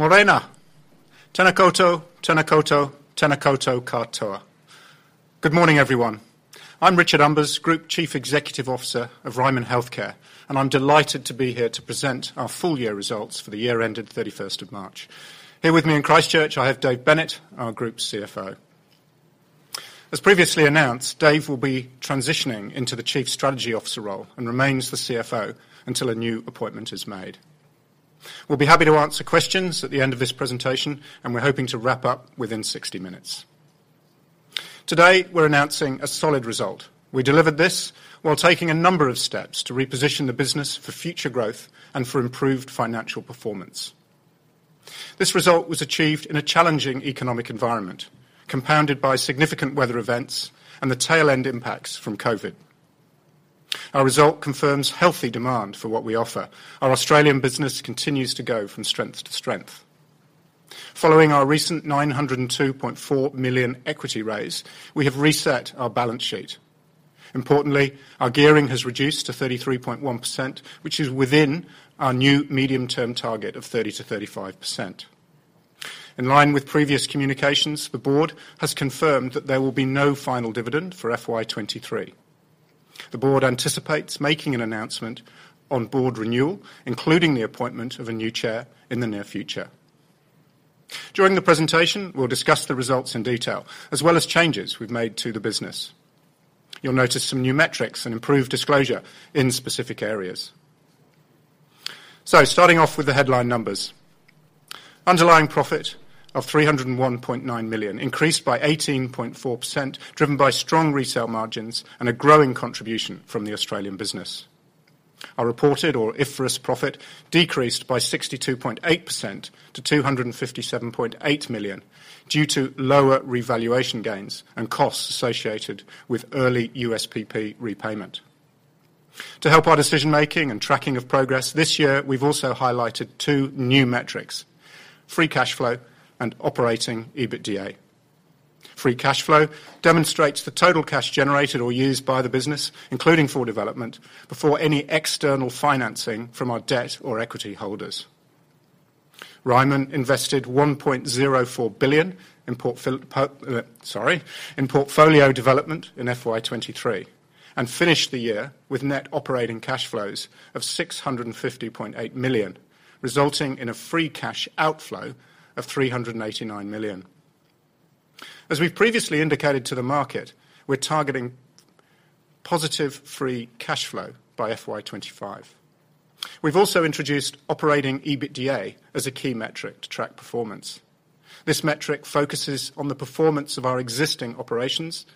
Morena. Tena koutou, tena koutou, tena koutou katoa. Good morning, everyone. I'm Richard Umbers, Group Chief Executive Officer of Ryman Healthcare, and I'm delighted to be here to present our full year results for the year ended 31st of March. Here with me in Christchurch, I have Dave Bennett, our Group CFO. As previously announced, Dave will be transitioning into the Chief Strategy Officer role and remains the CFO until a new appointment is made. We'll be happy to answer questions at the end of this presentation, and we're hoping to wrap up within 60 minutes. Today, we're announcing a solid result. We delivered this while taking a number of steps to reposition the business for future growth and for improved financial performance. This result was achieved in a challenging economic environment, compounded by significant weather events and the tail-end impacts from COVID. Our result confirms healthy demand for what we offer. Our Australian business continues to go from strength to strength. Following our recent 902.4 million equity raise, we have reset our balance sheet. Importantly, our gearing has reduced to 33.1%, which is within our new medium-term target of 30%-35%. In line with previous communications, the board has confirmed that there will be no final dividend for FY 2023. The board anticipates making an announcement on board renewal, including the appointment of a new chair in the near future. During the presentation, we'll discuss the results in detail, as well as changes we've made to the business. You'll notice some new metrics and improved disclosure in specific areas. Starting off with the headline numbers. Underlying profit of 301.9 million increased by 18.4%, driven by strong resale margins and a growing contribution from the Australian business. Our reported or IFRS profit decreased by 62.8% to 257.8 million due to lower revaluation gains and costs associated with early USPP repayment. To help our decision-making and tracking of progress this year, we've also highlighted two new metrics: free cash flow and operating EBITDA. Free cash flow demonstrates the total cash generated or used by the business, including for development, before any external financing from our debt or equity holders. Ryman invested 1.04 billion, sorry, in portfolio development in FY 2023 and finished the year with net operating cash flows of 650.8 million, resulting in a free cash outflow of 389 million. As we've previously indicated to the market, we're targeting positive free cash flow by FY 2025. We've also introduced operating EBITDA as a key metric to track performance. This metric focuses on the performance of our existing operations,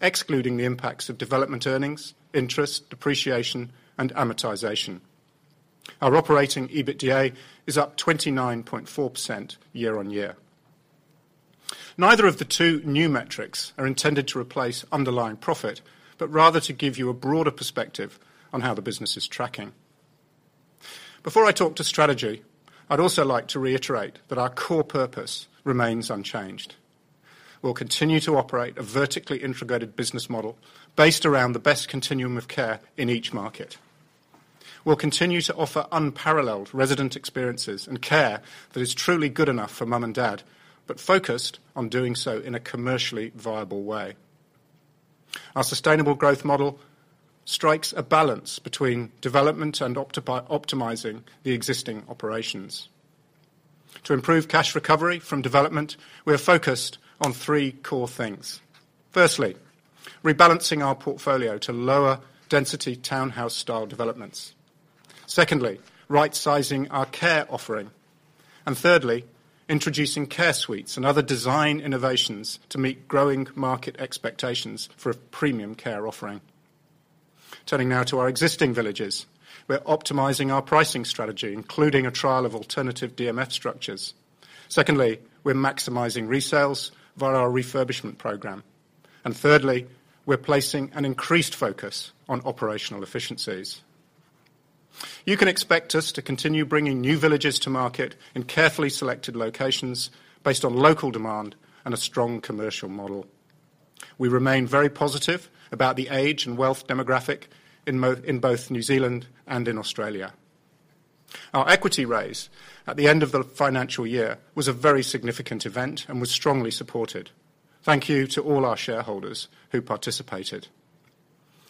excluding the impacts of development earnings, interest, depreciation, and amortization. Our operating EBITDA is up 29.4% year-on-year. Neither of the two new metrics are intended to replace underlying profit, but rather to give you a broader perspective on how the business is tracking. Before I talk to strategy, I'd also like to reiterate that our core purpose remains unchanged. We'll continue to operate a vertically integrated business model based around the best continuum of care in each market. We'll continue to offer unparalleled resident experiences and care that is truly good enough for mum and dad, but focused on doing so in a commercially viable way. Our sustainable growth model strikes a balance between development and optimizing the existing operations. To improve cash recovery from development, we are focused on three core things. Firstly, rebalancing our portfolio to lower density townhouse style developments. Secondly, right sizing our care offering. Thirdly, introducing care suites and other design innovations to meet growing market expectations for a premium care offering. Turning now to our existing villages. We're optimizing our pricing strategy, including a trial of alternative DMF structures. Secondly, we're maximizing resales via our refurbishment program. Thirdly, we're placing an increased focus on operational efficiencies. You can expect us to continue bringing new villages to market in carefully selected locations based on local demand and a strong commercial model. We remain very positive about the age and wealth demographic in both New Zealand and in Australia. Our equity raise at the end of the financial year was a very significant event and was strongly supported. Thank you to all our shareholders who participated.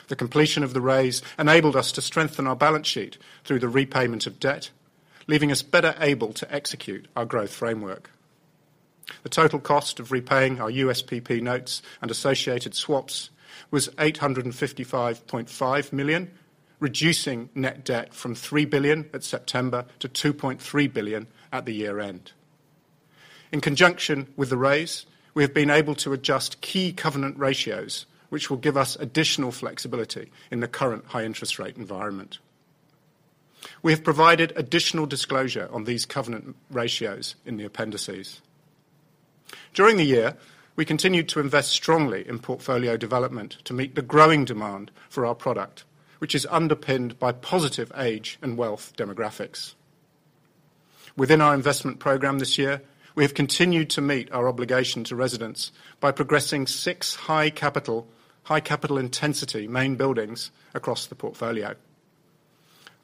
The completion of the raise enabled us to strengthen our balance sheet through the repayment of debt, leaving us better able to execute our growth framework. The total cost of repaying our USPP notes and associated swaps was 855.5 million, reducing net debt from 3 billion at September to 2.3 billion at the year-end. In conjunction with the raise, we have been able to adjust key covenant ratios, which will give us additional flexibility in the current high interest rate environment. We have provided additional disclosure on these covenant ratios in the appendices. During the year, we continued to invest strongly in portfolio development to meet the growing demand for our product, which is underpinned by positive age and wealth demographics. Within our investment program this year, we have continued to meet our obligation to residents by progressing six high capital, high capital intensity main buildings across the portfolio.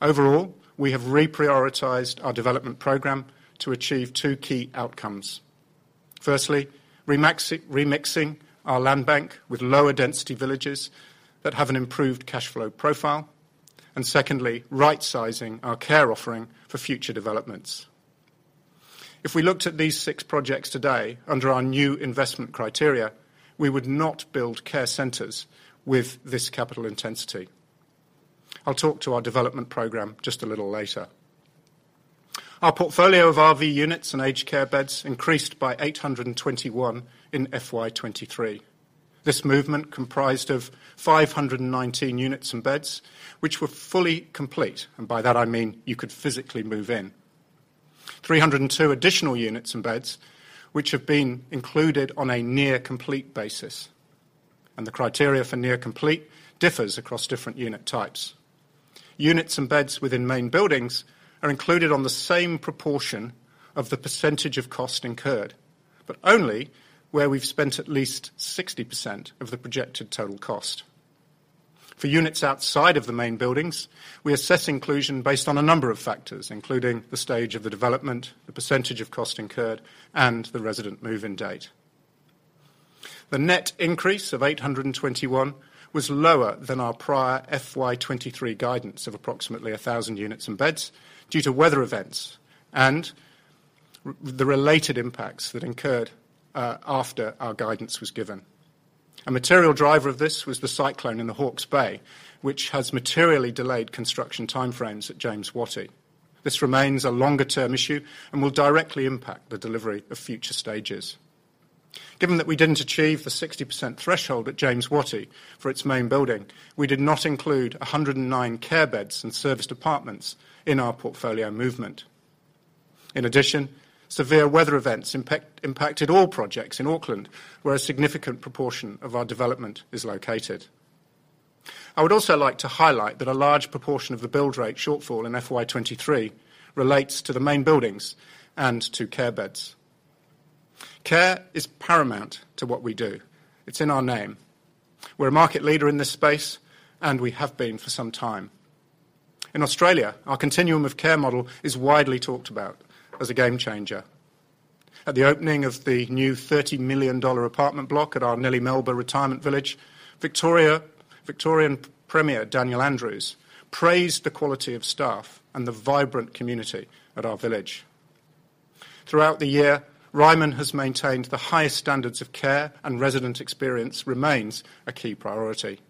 Overall, we have reprioritized our development program to achieve two key outcomes. Firstly, remixing our land bank with lower density villages that have an improved cash flow profile, and secondly, right-sizing our care offering for future developments. If we looked at these six projects today under our new investment criteria, we would not build care centers with this capital intensity. I'll talk to our development program just a little later. Our portfolio of RV units and aged care beds increased by 821 in FY 2023. This movement comprised of 519 units and beds, which were fully complete, and by that I mean you could physically move in. 302 additional units and beds which have been included on a near complete basis, and the criteria for near complete differs across different unit types. Units and beds within main buildings are included on the same proportion of the percentage of cost incurred, but only where we've spent at least 60% of the projected total cost. For units outside of the main buildings, we assess inclusion based on a number of factors, including the stage of the development, the percentage of cost incurred, and the resident move-in date. The net increase of 821 was lower than our prior FY 2023 guidance of approximately 1,000 units and beds due to weather events and the related impacts that incurred after our guidance was given. A material driver of this was the cyclone in the Hawke's Bay, which has materially delayed construction time frames at James Wattie. This remains a longer term issue and will directly impact the delivery of future stages. Given that we didn't achieve the 60% threshold at James Wattie for its main building, we did not include 109 care beds and service departments in our portfolio movement. In addition, severe weather events impacted all projects in Auckland, where a significant proportion of our development is located. I would also like to highlight that a large proportion of the build rate shortfall in FY 2023 relates to the main buildings and to care beds. Care is paramount to what we do. It's in our name. We're a market leader in this space, and we have been for some time. In Australia, our Continuum of Care model is widely talked about as a game changer. At the opening of the new 30 million dollar apartment block at our Nellie Melba Retirement Village, Victoria, Victorian Premier Daniel Andrews praised the quality of staff and the vibrant community at our village. Throughout the year, Ryman has maintained the highest standards of care, and resident experience remains a key priority.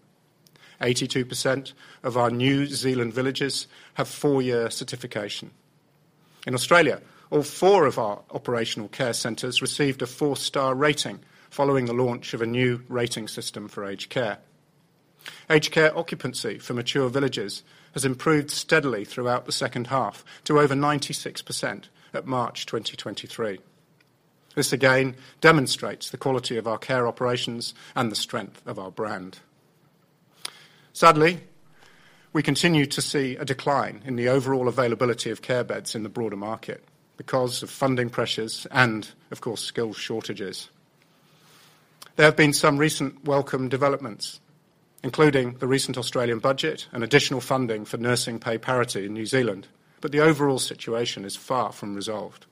82% of our New Zealand villages have four-year certification. In Australia, all four of our operational care centers received a four-star rating following the launch of a new rating system for aged care. Aged care occupancy for mature villages has improved steadily throughout the second half to over 96% at March 2023. This again demonstrates the quality of our care operations and the strength of our brand. Sadly, we continue to see a decline in the overall availability of care beds in the broader market because of funding pressures and, of course, skill shortages. There have been some recent welcome developments, including the recent Australian budget and additional funding for nursing pay parity in New Zealand, the overall situation is far from resolved.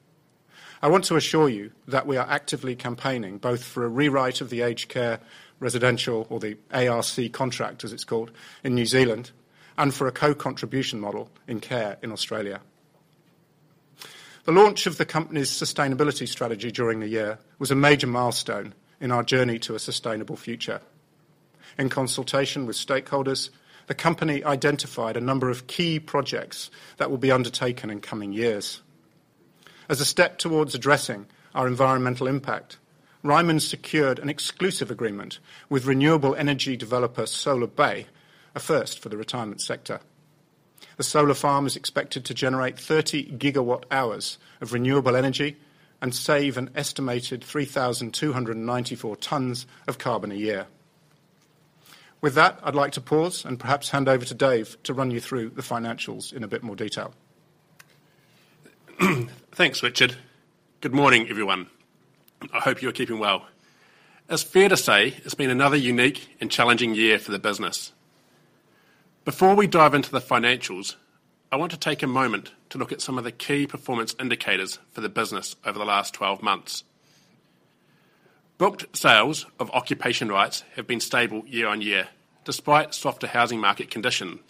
I want to assure you that we are actively campaigning both for a rewrite of the Aged Care Residential or the ARC contract, as it's called, in New Zealand, and for a co-contribution model in care in Australia. The launch of the company's sustainability strategy during the year was a major milestone in our journey to a sustainable future. In consultation with stakeholders, the company identified a number of key projects that will be undertaken in coming years. As a step towards addressing our environmental impact, Ryman secured an exclusive agreement with renewable energy developer Solar Bay, a first for the retirement sector. The solar farm is expected to generate 30 GW hours of renewable energy and save an estimated 3,294 tons of carbon a year. With that, I'd like to pause and perhaps hand over to Dave to run you through the financials in a bit more detail. Thanks, Richard. Good morning, everyone. I hope you're keeping well. It's fair to say it's been another unique and challenging year for the business. Before we dive into the financials, I want to take a moment to look at some of the key performance indicators for the business over the last 12 months. Booked sales of occupation rights have been stable year-on-year despite softer housing market conditions.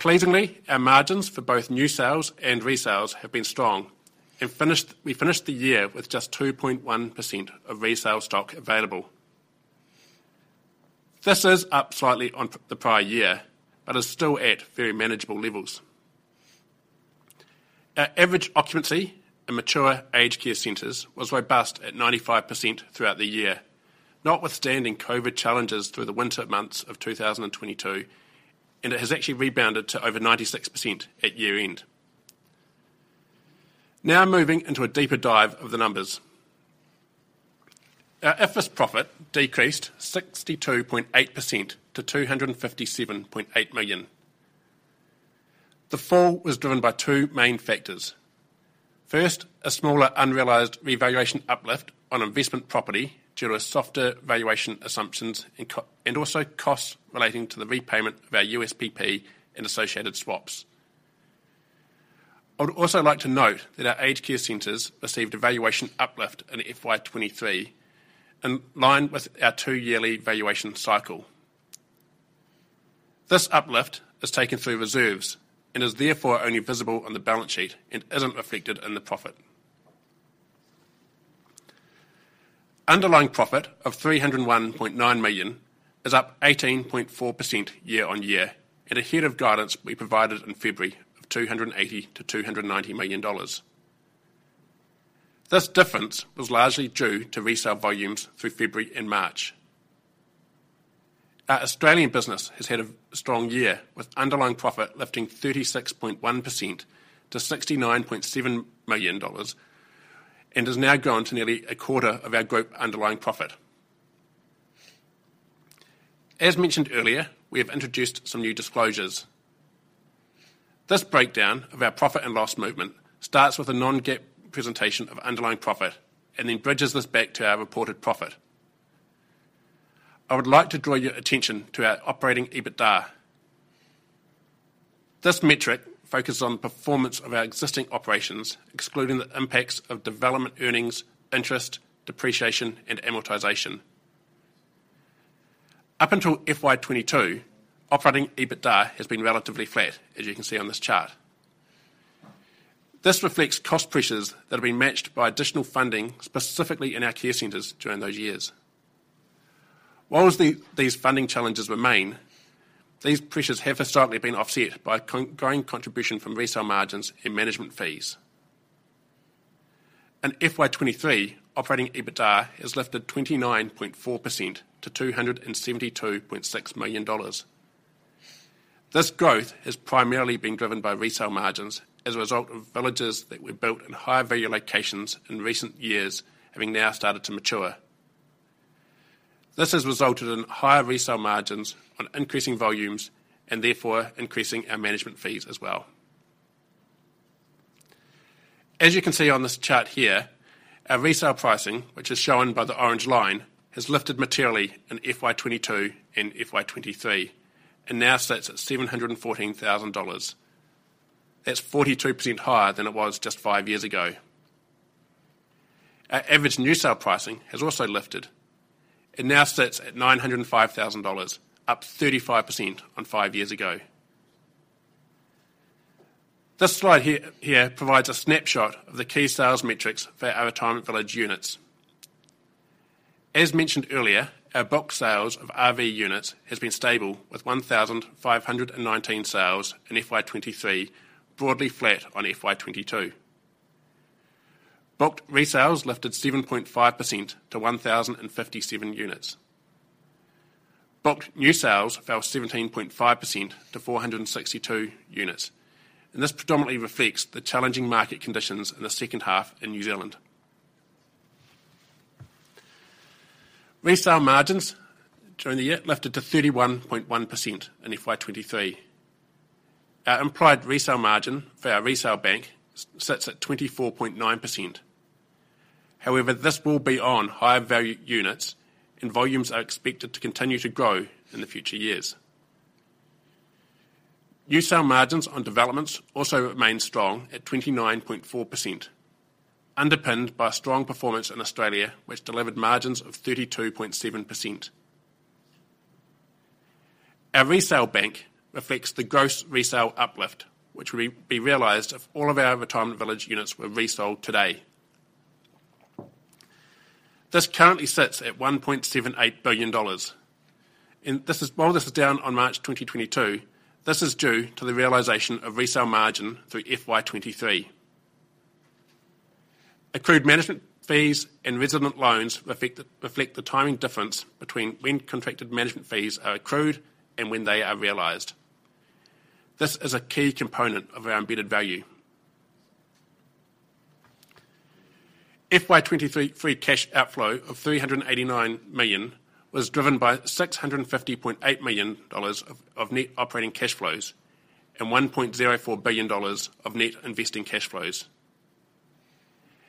Pleasingly, our margins for both new sales and resales have been strong, and we finished the year with just 2.1% of resale stock available. This is up slightly on the prior year, but is still at very manageable levels. Our average occupancy in mature aged care centers was robust at 95% throughout the year. Notwithstanding COVID challenges through the winter months of 2022, it has actually rebounded to over 96% at year-end. Moving into a deeper dive of the numbers. Our IFRS profit decreased 62.8% to 257.8 million. The fall was driven by two main factors. First, a smaller unrealized revaluation uplift on investment property due to softer valuation assumptions and also costs relating to the repayment of our USPP and associated swaps. I would also like to note that our aged care centers received a valuation uplift in FY 2023 in line with our 2-yearly valuation cycle. This uplift is taken through reserves and is therefore only visible on the balance sheet and isn't affected in the profit. Underlying profit of 301.9 million is up 18.4% year-on-year ahead of guidance we provided in February of 280 million-290 million dollars. This difference was largely due to resale volumes through February and March. Our Australian business has had a strong year with underlying profit lifting 36.1% to 69.7 million dollars and has now grown to nearly a quarter of our group underlying profit. As mentioned earlier, we have introduced some new disclosures. This breakdown of our profit and loss movement starts with a non-GAAP presentation of underlying profit and then bridges this back to our reported profit. I would like to draw your attention to our operating EBITDA. This metric focuses on performance of our existing operations, excluding the impacts of development earnings, interest, depreciation, and amortization. Up until FY 2022, operating EBITDA has been relatively flat, as you can see on this chart. This reflects cost pressures that have been matched by additional funding, specifically in our care centers during those years. Whilst these funding challenges remain, these pressures have historically been offset by growing contribution from resale margins and management fees. In FY 2023, operating EBITDA has lifted 29.4% to 272.6 million dollars. This growth has primarily been driven by resale margins as a result of villages that were built in higher value locations in recent years, having now started to mature. This has resulted in higher resale margins on increasing volumes and therefore increasing our management fees as well. As you can see on this chart here, our resale pricing, which is shown by the orange line, has lifted materially in FY 2022 and FY 2023, and now sits at 714,000 dollars. That's 42% higher than it was just five years ago. Our average new sale pricing has also lifted and now sits at 905,000 dollars, up 35% on five years ago. This slide here provides a snapshot of the key sales metrics for our Retirement Village units. As mentioned earlier, our book sales of RV units has been stable with 1,519 sales in FY 2023, broadly flat on FY 2022. Booked resales lifted 7.5% to 1,057 units. Booked new sales fell 17.5% to 462 units, and this predominantly reflects the challenging market conditions in the second half in New Zealand. Resale margins during the year lifted to 31.1% in FY 2023. Our implied resale margin for our resale bank sits at 24.9%. This will be on higher value units and volumes are expected to continue to grow in the future years. New sale margins on developments also remain strong at 29.4%, underpinned by strong performance in Australia, which delivered margins of 32.7%. Our resale bank affects the gross resale uplift, which will be realized if all of our retirement village units were resold today. This currently sits at 1.78 billion dollars. While this is down on March 2022, this is due to the realization of resale margin through FY 2023. Accrued management fees and resident loans reflect the timing difference between when contracted management fees are accrued and when they are realized. This is a key component of our embedded value. FY 2023 free cash outflow of NZD 389 million was driven by NZD 650.8 million of net operating cash flows and NZD 1.04 billion of net investing cash flows.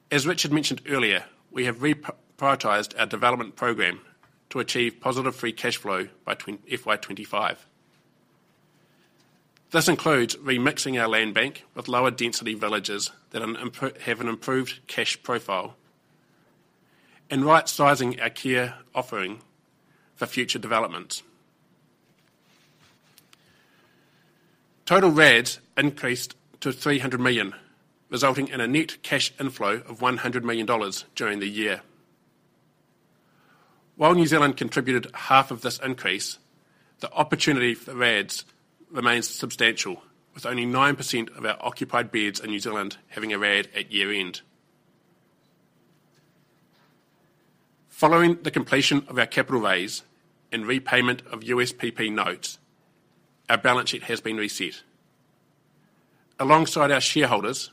As Richard mentioned earlier, we have reprioritized our development program to achieve positive free cash flow by FY 2025. This includes remixing our land bank with lower density villages that have an improved cash profile and rightsizing our care offering for future developments. Total RADs increased to 300 million, resulting in a net cash inflow of 100 million dollars during the year. While New Zealand contributed half of this increase, the opportunity for the RADs remains substantial, with only 9% of our occupied beds in New Zealand having a RAD at year-end. Following the completion of our capital raise and repayment of USPP notes, our balance sheet has been reset. Alongside our shareholders,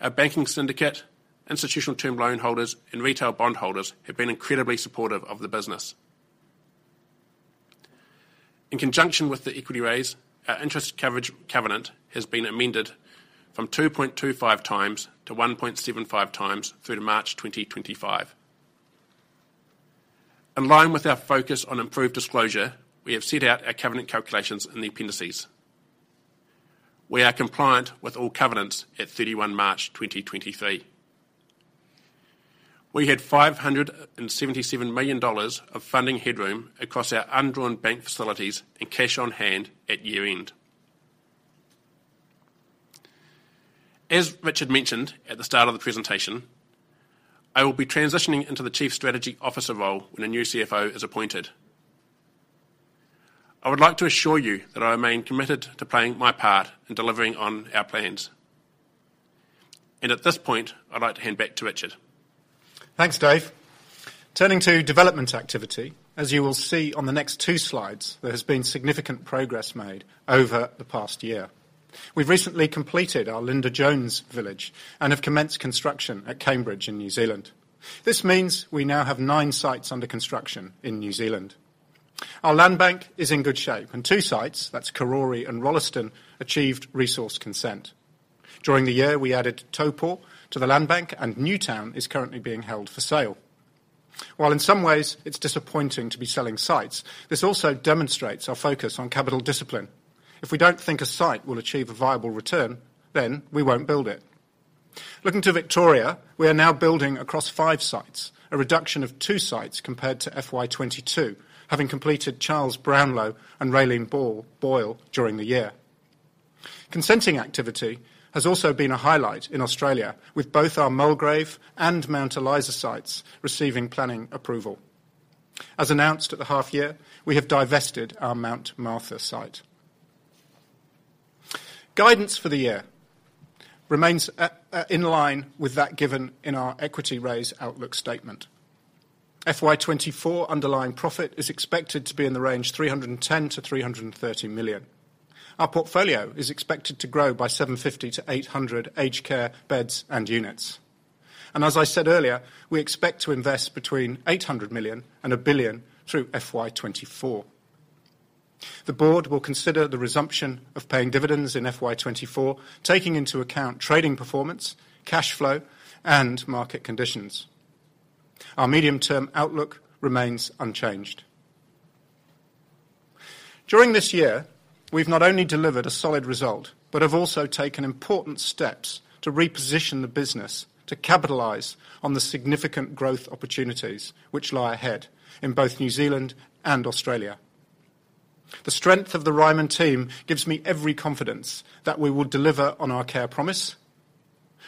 our banking syndicate, institutional term loan holders and retail bondholders have been incredibly supportive of the business. In conjunction with the equity raise, our interest coverage covenant has been amended from 2.25 times to 1.75 times through to March 2025. In line with our focus on improved disclosure, we have set out our covenant calculations in the appendices. We are compliant with all covenants at 31 March 2023. We had 577 million dollars of funding headroom across our undrawn bank facilities and cash on hand at year-end. As Richard mentioned at the start of the presentation, I will be transitioning into the Chief Strategy Officer role when a new CFO is appointed. I would like to assure you that I remain committed to playing my part in delivering on our plans. At this point, I'd like to hand back to Richard. Thanks, Dave. Turning to development activity, as you will see on the next two slides, there has been significant progress made over the past year. We've recently completed our Linda Jones Village and have commenced construction at Cambridge in New Zealand. This means we now have nine sites under construction in New Zealand. Our land bank is in good shape, and two sites, that's Karori and Rolleston, achieved resource consent. During the year, we added Taupō to the land bank, and Newtown is currently being held for sale. While in some ways it's disappointing to be selling sites, this also demonstrates our focus on capital discipline. If we don't think a site will achieve a viable return, then we won't build it. Looking to Victoria, we are now building across five sites, a reduction of two sites compared to FY 2022, having completed Charles Brownlow and Raelene Boyle during the year. Consenting activity has also been a highlight in Australia, with both our Mulgrave and Mount Eliza sites receiving planning approval. As announced at the half year, we have divested our Mount Martha site. Guidance for the year remains in line with that given in our equity raise outlook statement. FY 2024 underlying profit is expected to be in the range 310 million-330 million. Our portfolio is expected to grow by 750-800 aged care beds and units. As I said earlier, we expect to invest between 800 million-1 billion through FY 2024. The board will consider the resumption of paying dividends in FY 2024, taking into account trading performance, cash flow, and market conditions. Our medium-term outlook remains unchanged. During this year, we've not only delivered a solid result but have also taken important steps to reposition the business to capitalize on the significant growth opportunities which lie ahead in both New Zealand and Australia. The strength of the Ryman team gives me every confidence that we will deliver on our care promise,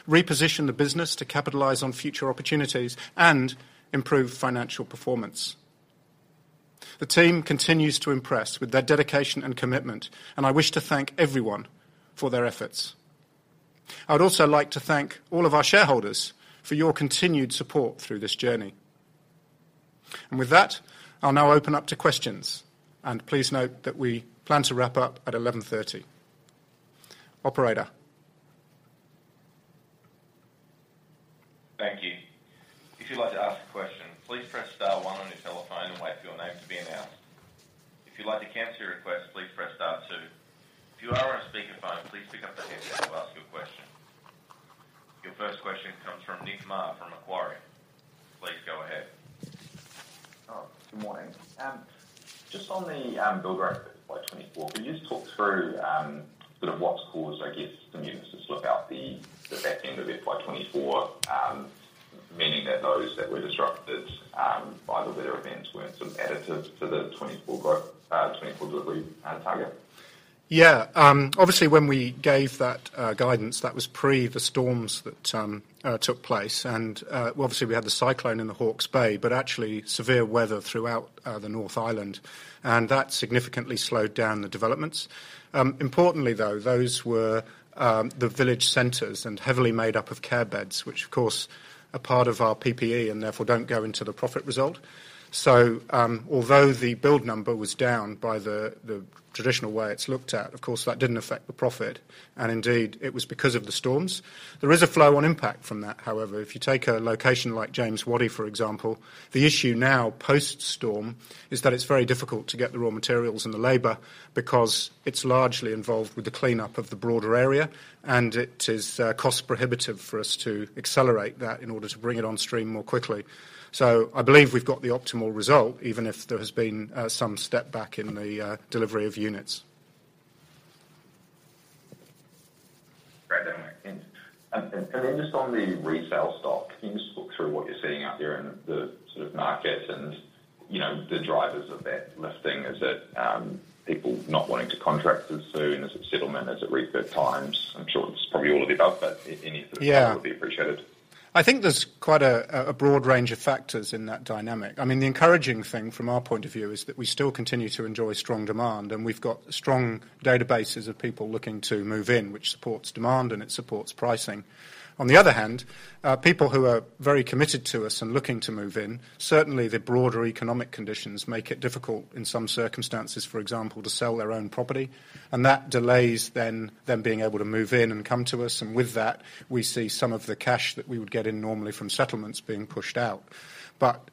reposition the business to capitalize on future opportunities, and improve financial performance. The team continues to impress with their dedication and commitment, and I wish to thank everyone for their efforts. I would also like to thank all of our shareholders for your continued support through this journey. With that, I'll now open up to questions, and please note that we plan to wrap up at 11:30 A.M. Operator. Thank you. If you'd like to ask a question, please press star one on your telephone and wait for your name to be announced. If you'd like to cancel your request, please press star two. If you are on a speakerphone, please pick up the handset to ask your question. Your first question comes from Nick Mar from Macquarie. Please go ahead. Good morning. Just on the build rate for FY 2024. Could you just talk through, sort of, what's caused, I guess, some units to slip out the back end of FY 2024? Meaning that those that were disrupted by the weather events weren't sort of additive to the 2024 delivery target. Yeah. Obviously when we gave that guidance, that was pre the storms that took place and obviously we had the cyclone in the Hawke's Bay, but actually severe weather throughout the North Island, and that significantly slowed down the developments. Importantly though, those were the village centers and heavily made up of care beds, which of course are part of our PPE and therefore don't go into the profit result. Although the build number was down by the traditional way it's looked at, of course that didn't affect the profit, and indeed it was because of the storms. There is a flow on impact from that. However, if you take a location like James Wattie, for example, the issue now post-storm is that it's very difficult to get the raw materials and the labor because it's largely involved with the cleanup of the broader area, and it is, cost prohibitive for us to accelerate that in order to bring it on stream more quickly. I believe we've got the optimal result, even if there has been, some step back in the, delivery of units. Great. Thanks. Then just on the resale stock, can you just talk through what you're seeing out there in the sort of market and, you know, the drivers of that listing? Is it people not wanting to contract as soon? Is it settlement? Is it refurb times? I'm sure it's probably all of the above, but any sort of color. Yeah ...would be appreciated. I think there's quite a broad range of factors in that dynamic. I mean, the encouraging thing from our point of view is that we still continue to enjoy strong demand, and we've got strong databases of people looking to move in, which supports demand, and it supports pricing. On the other hand, people who are very committed to us and looking to move in, certainly the broader economic conditions make it difficult in some circumstances, for example, to sell their own property. That delays then them being able to move in and come to us, and with that, we see some of the cash that we would get in normally from settlements being pushed out.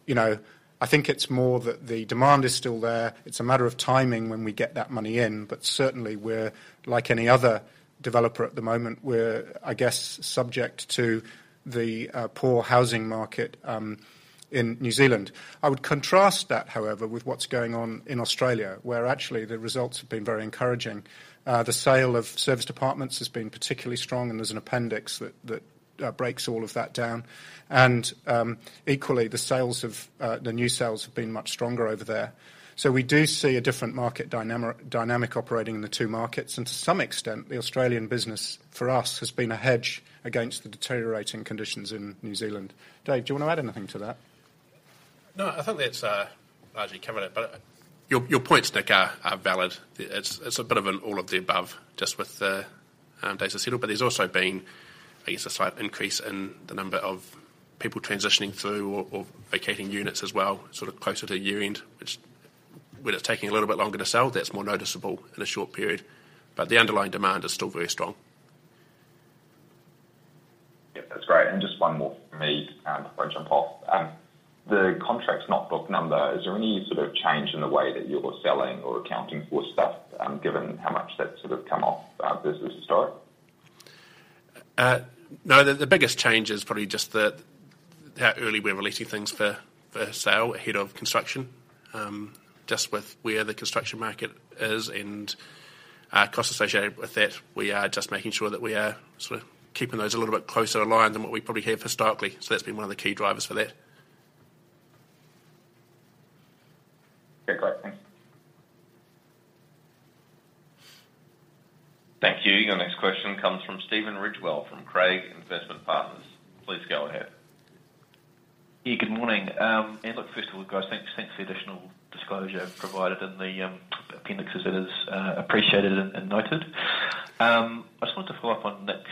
You know, I think it's more that the demand is still there. It's a matter of timing when we get that money in, but certainly we're, like any other developer at the moment, we're, I guess, subject to the poor housing market in New Zealand. I would contrast that, however, with what's going on in Australia, where actually the results have been very encouraging. The sale of service departments has been particularly strong, and there's an appendix that breaks all of that down. Equally, the new sales have been much stronger over there. We do see a different market dynamic operating in the two markets, and to some extent, the Australian business for us has been a hedge against the deteriorating conditions in New Zealand. Dave, do you wanna add anything to that? No, I think that's largely covered it. Your points, Nick, are valid. It's a bit of an all of the above just with the days to settle. There's also been, I guess, a slight increase in the number of people transitioning through or vacating units as well, sort of closer to year-end. Which when it's taking a little bit longer to sell, that's more noticeable in a short period. The underlying demand is still very strong. Yeah, that's great. Just one more from me, before I jump off. The contracts not booked number, is there any sort of change in the way that you're selling or accounting for stuff, given how much that's sort of come off, business to start? No, the biggest change is probably just how early we're releasing things for sale ahead of construction. Just with where the construction market is and our costs associated with that, we are just making sure that we are sort of keeping those a little bit closer aligned than what we probably have historically. That's been one of the key drivers for that. Okay, great. Thanks. Thank you. Your next question comes from Stephen Ridgewell, from Craigs Investment Partners. Please go ahead. Yeah, good morning. Look, first of all, guys, thanks for the additional disclosure provided in the appendix as it is appreciated and noted. I just wanted to follow up on Nick's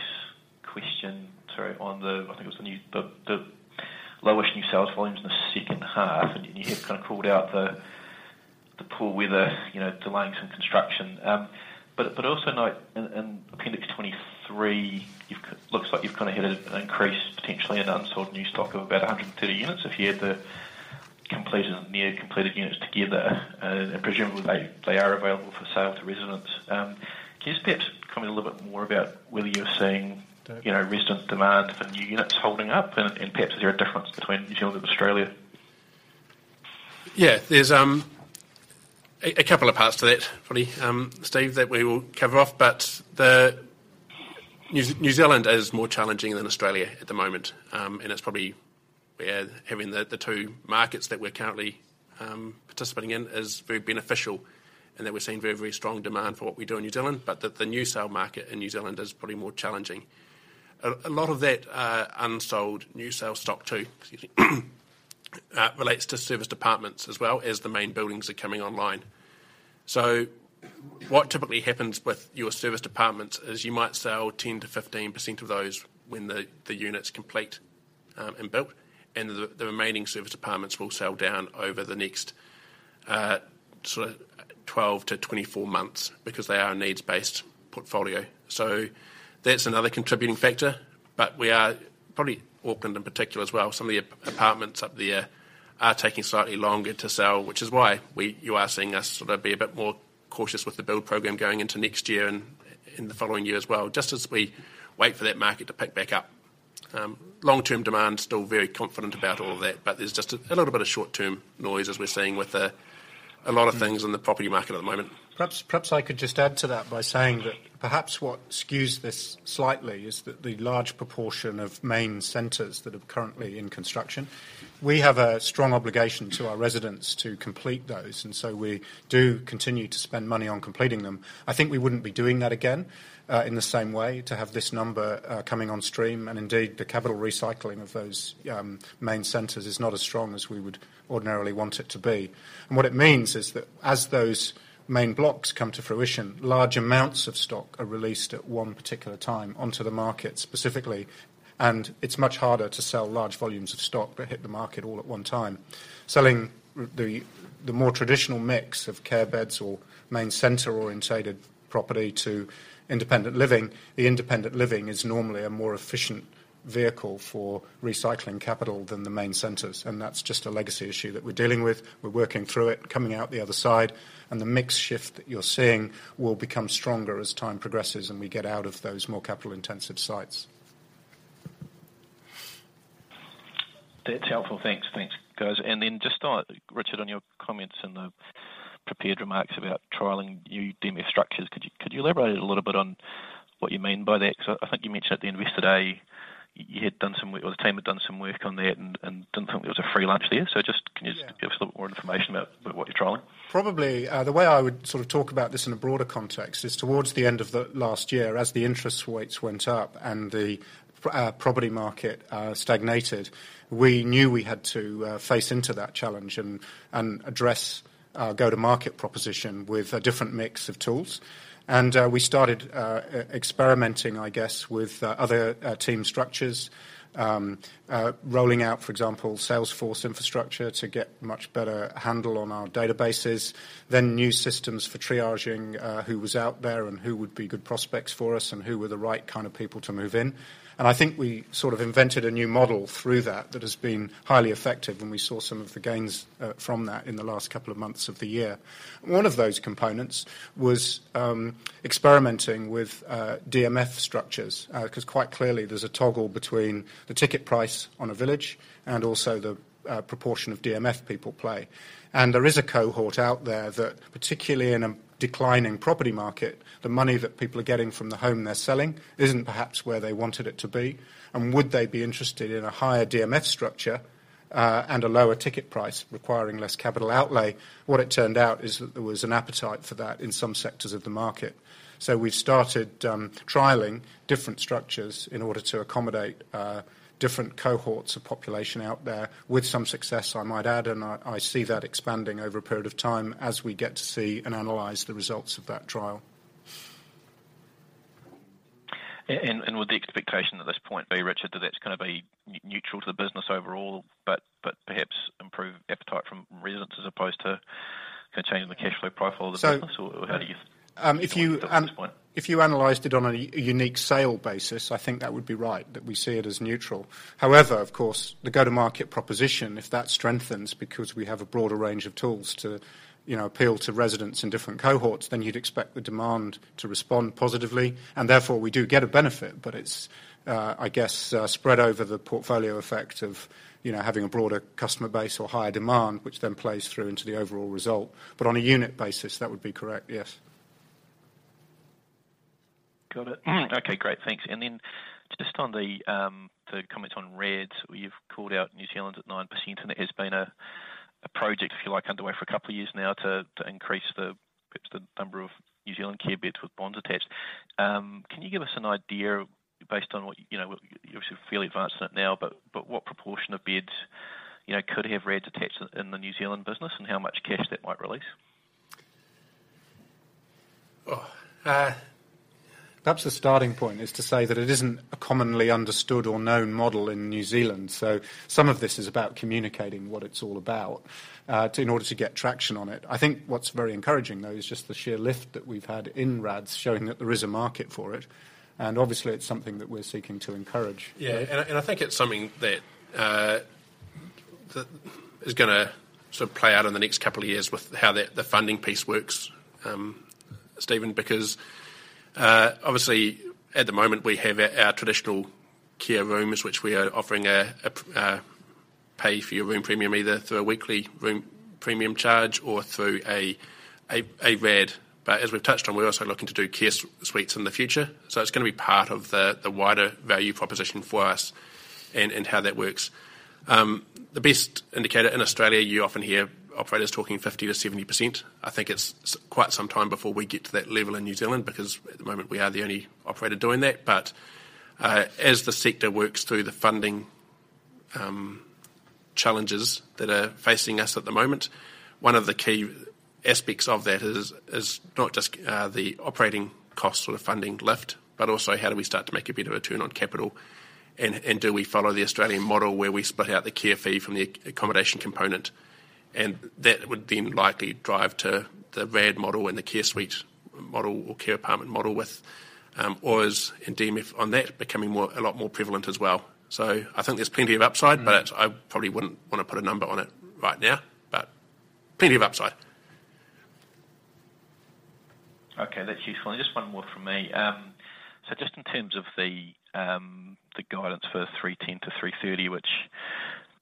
question. Sorry, on the, I think it was the lower new sales volumes in the second half. You have kinda called out the poor weather, you know, delaying some construction. Also note in Appendix 23, looks like you've kinda had an increase potentially in unsold new stock of about 130 units if you had the completed and near completed units together. Presumably they are available for sale to residents. Can you just perhaps comment a little bit more about whether you're seeing- Dave... you know, resident demand for new units holding up, and perhaps is there a difference between New Zealand and Australia? Yeah. There's a couple of parts to that, probably, Steve, that we will cover off. New Zealand is more challenging than Australia at the moment. It's probably having the two markets that we're currently participating in is very beneficial in that we're seeing very strong demand for what we do in New Zealand, but the new sale market in New Zealand is probably more challenging. A lot of that unsold new sale stock, too, relates to service departments as well as the main buildings are coming online. What typically happens with your service departments is you might sell 10%-15% of those when the unit's complete and built, and the remaining service departments will sell down over the next 12-24 months because they are a needs-based portfolio. That's another contributing factor. We are probably, Auckland in particular as well, some of the apartments up there are taking slightly longer to sell, which is why you are seeing us sort of be a bit more cautious with the build program going into next year and in the following year as well, just as we wait for that market to pick back up. Long-term demand, still very confident about all of that, but there's just a little bit of short-term noise as we're seeing with a lot of things in the property market at the moment. Perhaps I could just add to that by saying that perhaps what skews this slightly is the large proportion of main centers that are currently in construction. We have a strong obligation to our residents to complete those. We do continue to spend money on completing them. I think we wouldn't be doing that again, in the same way to have this number coming on stream. Indeed, the capital recycling of those main centers is not as strong as we would ordinarily want it to be. What it means is that as those main blocks come to fruition, large amounts of stock are released at one particular time onto the market specifically, and it's much harder to sell large volumes of stock that hit the market all at one time. Selling the more traditional mix of care beds or main center-oriented property to independent living, the independent living is normally a more efficient vehicle for recycling capital than the main centers. That's just a legacy issue that we're dealing with. We're working through it, coming out the other side. The mix shift that you're seeing will become stronger as time progresses, and we get out of those more capital-intensive sites. That's helpful. Thanks. Thanks, guys. Then just on, Richard, on your comments in the prepared remarks about trialing new DMF structures. Could you elaborate a little bit on what you mean by that? 'Cause I think you mentioned at the end of yesterday you had done some work or the team had done some work on that and didn't think there was a free lunch there. Just- Yeah. Can you just give us a little more information about what you're trialing? Probably, the way I would sort of talk about this in a broader context is towards the end of the last year, as the interest rates went up and the property market stagnated, we knew we had to face into that challenge and address our go-to-market proposition with a different mix of tools. We started experimenting, I guess, with other team structures, rolling out, for example, Salesforce infrastructure to get much better handle on our databases. New systems for triaging, who was out there and who would be good prospects for us and who were the right kind of people to move in. I think we sort of invented a new model through that that has been highly effective, and we saw some of the gains from that in the last couple of months of the year. One of those components was experimenting with DMF structures. 'Cause quite clearly, there's a toggle between the ticket price on a village and also the proportion of DMF people play. There is a cohort out there that, particularly in a declining property market, the money that people are getting from the home they're selling isn't perhaps where they wanted it to be, and would they be interested in a higher DMF structure and a lower ticket price requiring less capital outlay. What it turned out is that there was an appetite for that in some sectors of the market. We started, trialing different structures in order to accommodate, different cohorts of population out there with some success, I might add, and I see that expanding over a period of time as we get to see and analyze the results of that trial. Would the expectation at this point be, Richard, that that's gonna be neutral to the business overall, but perhaps improve appetite from residents as opposed to containing the cash flow profile of the business? So- How do you-. If you. At this point. If you analyzed it on a unique sale basis, I think that would be right, that we see it as neutral. However, of course, the go-to-market proposition, if that strengthens because we have a broader range of tools to, you know, appeal to residents in different cohorts, then you'd expect the demand to respond positively. Therefore, we do get a benefit, but it's, I guess, spread over the portfolio effect of, you know, having a broader customer base or higher demand, which then plays through into the overall result. On a unit basis, that would be correct, yes. Got it. Okay, great. Thanks. Just on the comments on RADs, you've called out New Zealand at 9%, It has been a project, if you like, underway for a couple of years now to increase the, perhaps the number of New Zealand care beds with bonds attached. Can you give us an idea based on what, you know, you're fairly advanced in it now, but what proportion of beds, you know, could have RADs attached in the New Zealand business and how much cash that might release? Perhaps the starting point is to say that it isn't a commonly understood or known model in New Zealand. Some of this is about communicating what it's all about in order to get traction on it. I think what's very encouraging, though, is just the sheer lift that we've had in RADs showing that there is a market for it. Obviously, it's something that we're seeking to encourage. I think it's something that is gonna sort of play out in the next couple of years with how the funding piece works, Stephen, because obviously at the moment, we have our traditional care rooms, which we are offering a pay for your room premium, either through a weekly room premium charge or through a RAD. As we've touched on, we're also looking to do care suites in the future. It's gonna be part of the wider value proposition for us and how that works. The best indicator in Australia, you often hear operators talking 50%-70%. I think it's quite some time before we get to that level in New Zealand because at the moment, we are the only operator doing that. As the sector works through the funding challenges that are facing us at the moment, one of the key aspects of that is not just the operating cost sort of funding lift, but also how do we start to make a bit of a return on capital, and do we follow the Australian model, where we split out the care fee from the accommodation component? That would then likely drive to the RAD model and the care suite model or care apartment model with, or is DMF on that becoming a lot more prevalent as well. I think there's plenty of upside. Mm. I probably wouldn't wanna put a number on it right now. Plenty of upside. Okay, that's useful. Just one more from me. Just in terms of the guidance for 310 million-330 million, which,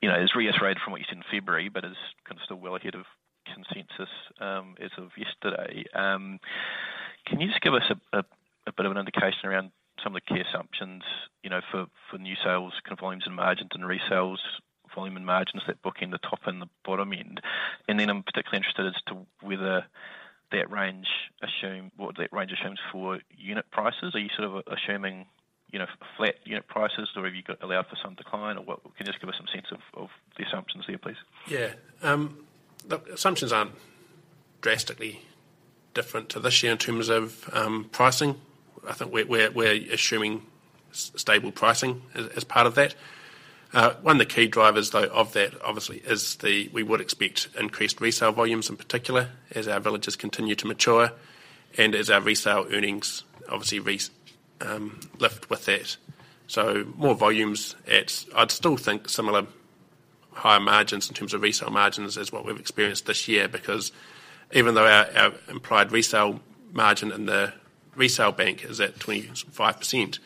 you know, is reiterated from what you said in February, but is kind of still well ahead of consensus as of yesterday. Can you just give us a bit of an indication around some of the key assumptions, you know, for new sales, kind of volumes and margins, and resales volume and margins that book in the top and the bottom end? Then I'm particularly interested as to whether that range assumes for unit prices. Are you sort of assuming, you know, flat unit prices, or have you got allowed for some decline? Or what can you just give us some sense of the assumptions there, please? The assumptions aren't drastically different to this year in terms of pricing. I think we're assuming stable pricing as part of that. One of the key drivers, though, of that, obviously, is we would expect increased resale volumes in particular as our villages continue to mature and as our resale earnings obviously lift with that. More volumes at, I'd still think, similar higher margins in terms of resale margins as what we've experienced this year. Even though our implied resale margin in the Resale bank is at 25%.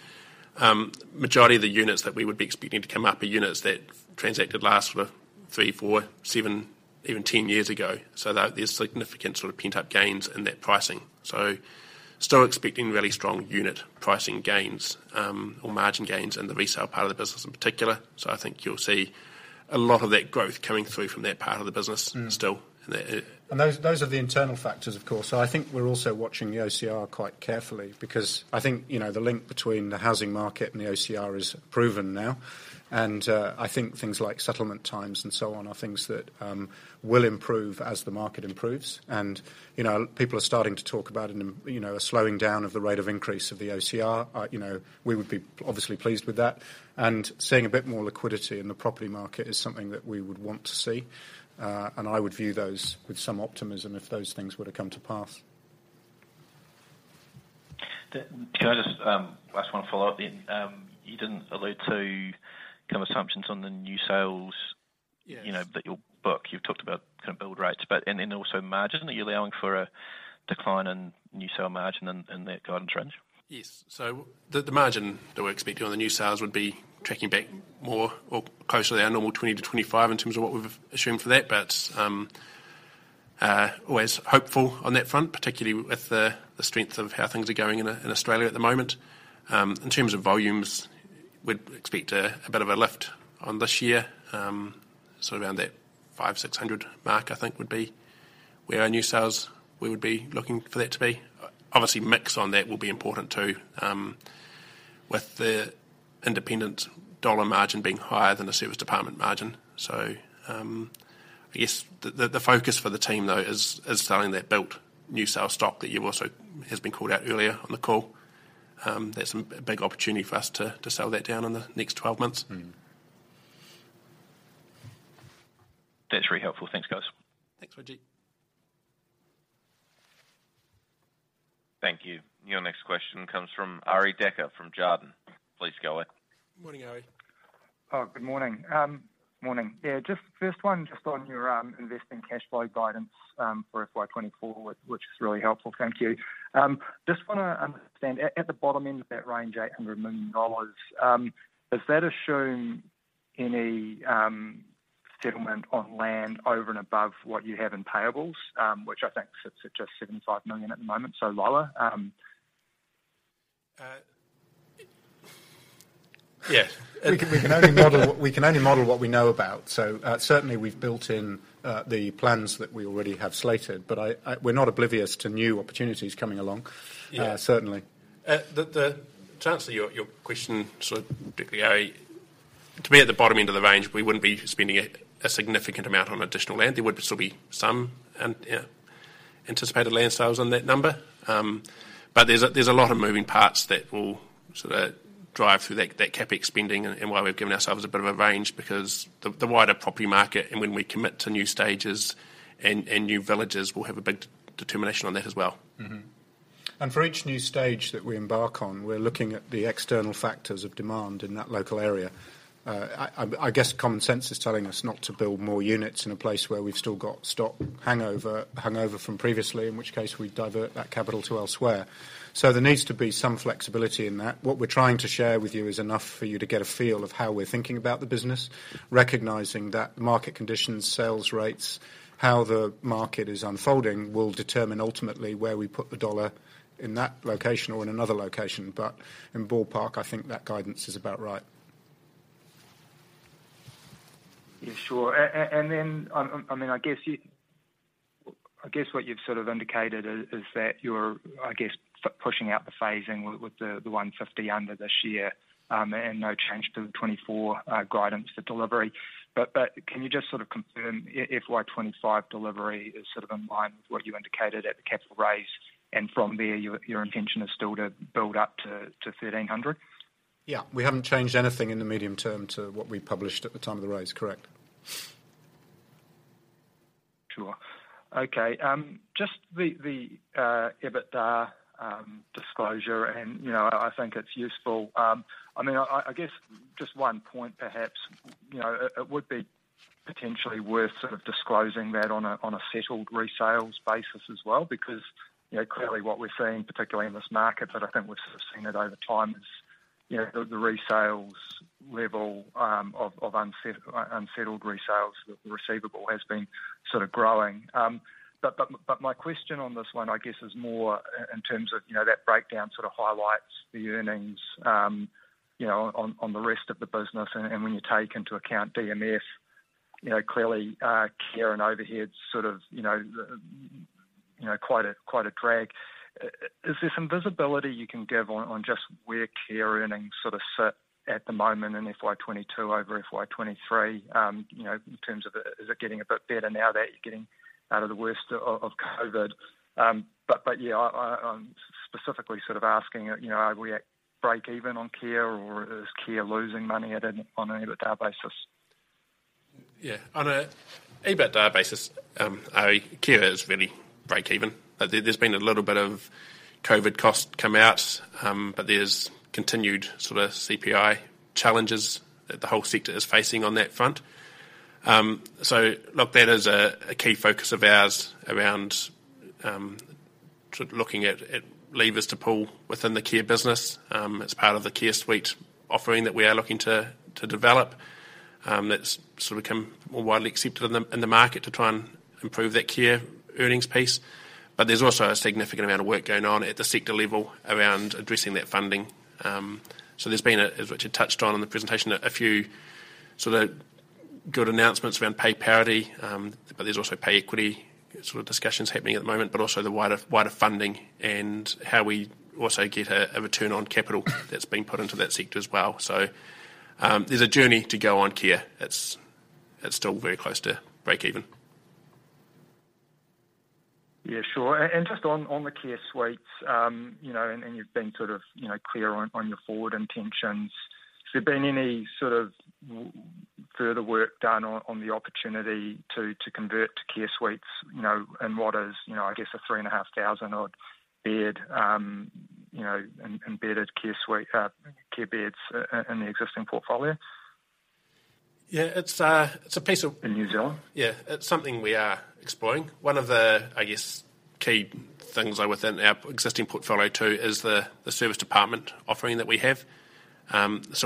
Majority of the units that we would be expecting to come up are units that transacted last were 3, 4, 7, even 10 years ago. That there's significant sort of pent-up gains in that pricing. Still expecting really strong unit pricing gains, or margin gains in the resale part of the business in particular. I think you'll see a lot of that growth coming through from that part of the business still. Those are the internal factors, of course. I think we're also watching the OCR quite carefully because I think, you know, the link between the housing market and the OCR is proven now. I think things like settlement times and so on are things that will improve as the market improves. You know, people are starting to talk about a slowing down of the rate of increase of the OCR. You know, we would be obviously pleased with that. Seeing a bit more liquidity in the property market is something that we would want to see. I would view those with some optimism if those things were to come to pass. Can I just, last one follow-up then? You didn't allude to kind of assumptions on the new sales- Yes. You know, that you'll book. You've talked about kind of build rates, but and then also margin. Are you allowing for a decline in new sale margin in that guidance range? The margin that we're expecting on the new sales would be tracking back more or closely our normal 20-25% in terms of what we've assumed for that, but always hopeful on that front, particularly with the strength of how things are going in Australia at the moment. In terms of volumes, we'd expect a bit of a lift on this year. Sort of around that 500-600 mark, I think would be where our new sales we would be looking for that to be. Obviously, mix on that will be important too, with the independent dollar margin being higher than the service department margin. I guess the focus for the team, though, is selling that built new sales stock that you also has been called out earlier on the call. That's a big opportunity for us to sell that down in the next 12 months. Mm-hmm. That's very helpful. Thanks, guys. Thanks, Ridge. Thank you. Your next question comes from Arie Dekker from Jarden. Please go ahead. Morning, Arie. Good morning. Morning. Just first one, just on your investing cash flow guidance for FY 2024, which is really helpful. Thank you. Just wanna understand. At the bottom end of that range, 800 million dollars, does that assume any settlement on land over and above what you have in payables? Which I think sits at just 75 million at the moment, so lower. Yes. We can only model what we know about. Certainly we've built in the plans that we already have slated, but we're not oblivious to new opportunities coming along. Yeah. Certainly. To answer your question, particularly, Arie, to be at the bottom end of the range, we wouldn't be spending a significant amount on additional land. There would still be some anticipated land sales on that number. There's a lot of moving parts that will sort of drive through that CapEx spending and why we've given ourselves a bit of a range because the wider property market and when we commit to new stages and new villages will have a big determination on that as well. For each new stage that we embark on, we're looking at the external factors of demand in that local area. I guess common sense is telling us not to build more units in a place where we've still got stock hangover from previously, in which case we divert that capital to elsewhere. There needs to be some flexibility in that. What we're trying to share with you is enough for you to get a feel of how we're thinking about the business, recognizing that market conditions, sales rates, how the market is unfolding will determine ultimately where we put the dollar in that location or in another location. In ballpark, I think that guidance is about right. Yeah, sure. And then, I mean, I guess what you've sort of indicated is that you're, I guess pushing out the phasing with the 150 under this year, and no change to the FY 2024 guidance to delivery. Can you just sort of confirm if FY 2025 delivery is sort of in line with what you indicated at the capital raise, and from there, your intention is still to build up to 1,300? Yeah. We haven't changed anything in the medium term to what we published at the time of the raise, correct. Sure. Okay. Just the EBITDA disclosure and, you know, I think it's useful. I mean, I guess just one point perhaps, you know, it would be potentially worth sort of disclosing that on a, on a settled resales basis as well, because, you know, clearly what we're seeing, particularly in this market, but I think we've sort of seen it over time, is, you know, the resales level of unsettled resales, the receivable has been sort of growing. My question on this one, I guess, is more in terms of, you know, that breakdown sort of highlights the earnings, you know, on the rest of the business. When you take into account DMF, you know, clearly, care and overhead's sort of, you know, the, you know, quite a, quite a drag. Is there some visibility you can give on just where care earnings sort of sit at the moment in FY 2022 over FY 2023? you know, in terms of, is it getting a bit better now that you're getting out of the worst of COVID? Yeah, I'm specifically sort of asking, you know, are we at break even on care or is care losing money on an EBITDA basis? Yeah. On an EBITDA basis, Arie, care is really break even. There's been a little bit of COVID cost come out, but there's continued sort of CPI challenges that the whole sector is facing on that front. Look, that is a key focus of ours around looking at levers to pull within the care business. It's part of the care suite offering that we are looking to develop. That's sort of become more widely accepted in the market to try and improve that care earnings piece. There's also a significant amount of work going on at the sector level around addressing that funding. There's been, as Richard touched on in the presentation, a few sort of good announcements around pay parity. There's also pay equity sort of discussions happening at the moment, but also the wider funding and how we also get a return on capital that's been put into that sector as well. There's a journey to go on care. It's still very close to breakeven. Yeah, sure. Just on the care suites, you know, and you've been sort of, you know, clear on your forward intentions. Has there been any sort of further work done on the opportunity to convert to care suites, you know, in what is, you know, I guess a 3,500 odd bed, you know, embedded care suite, care beds in the existing portfolio? Yeah, it's a piece of- In New Zealand. It's something we are exploring. One of the, I guess, key things, though, within our existing portfolio too is the service department offering that we have.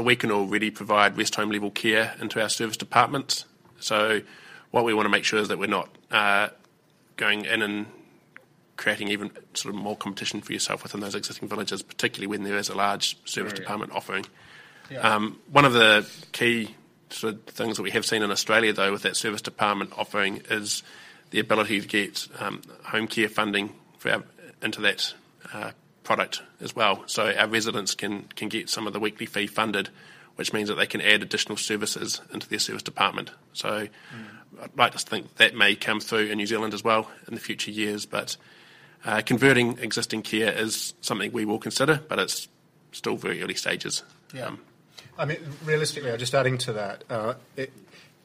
We can already provide rest home level care into our service department. What we wanna make sure is that we're not going in and creating even sort of more competition for yourself within those existing villages, particularly when there is a large service department offering. Yeah. One of the key sort of things that we have seen in Australia, though, with that service department offering is the ability to get home care funding for into that product as well. Our residents can get some of the weekly fee funded, which means that they can add additional services into their service department. Mm. I'd like to think that may come through in New Zealand as well in the future years. Converting existing care is something we will consider, but it's still very early stages. I mean, realistically, just adding to that,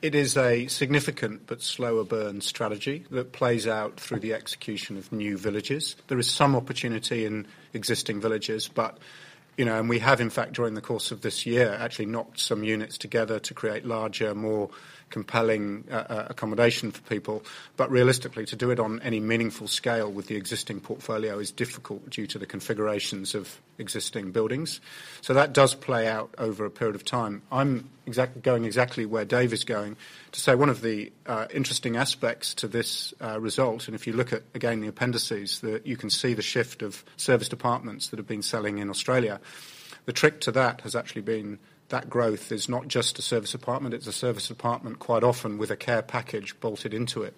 it is a significant but slower burn strategy that plays out through the execution of new villages. There is some opportunity in existing villages, but, you know, and we have, in fact, during the course of this year, actually knocked some units together to create larger, more compelling accommodation for people. Realistically, to do it on any meaningful scale with the existing portfolio is difficult due to the configurations of existing buildings. That does play out over a period of time. I'm going exactly where Dave is going to say one of the interesting aspects to this result, and if you look at again, the appendices, you can see the shift of service departments that have been selling in Australia. The trick to that has actually been that growth is not just a service department, it's a service department quite often with a care package bolted into it,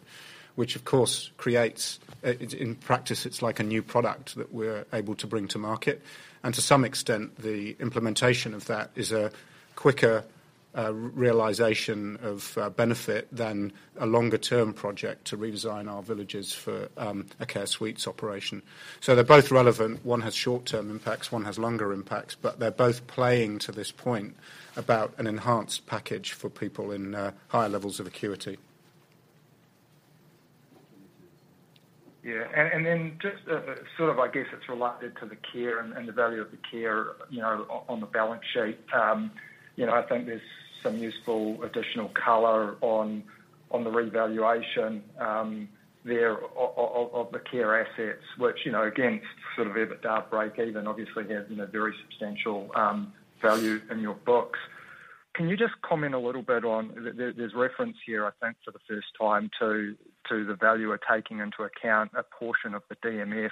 which of course creates, in practice, it's like a new product that we're able to bring to market. To some extent, the implementation of that is a quicker realization of benefit than a longer-term project to redesign our villages for a care suites operation. They're both relevant. One has short-term impacts, one has longer impacts, but they're both playing to this point about an enhanced package for people in higher levels of acuity. Then just, sort of, I guess it's related to the care and the value of the care, you know, on the balance sheet. I think there's some useful additional color on the revaluation there of the care assets, which, you know, again, sort of at the EBITDAR break-even obviously has, you know, very substantial value in your books. Can you just comment a little bit on, there's reference here, I think for the first time to the value we're taking into account a portion of the DMF